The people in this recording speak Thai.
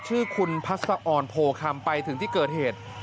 ชื่อคุณพัศออนโพคำไปถึงที่เกิดเหตุ